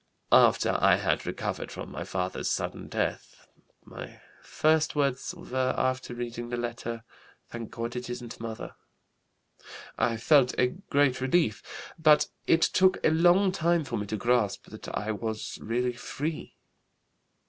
After I had recovered from my father's sudden death (my first words were after reading the letter: 'Thank God it isn't mother!') I felt a great relief, but it took a long time for me to grasp that I was really free.